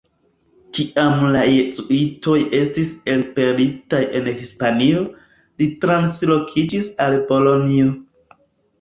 Kiam la jezuitoj estis elpelitaj el Hispanio, li translokiĝis al Bolonjo.